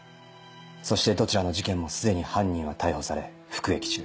そしてどちらの事件も既に犯人は逮捕され服役中。